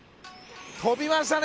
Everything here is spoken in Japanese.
飛びましたね！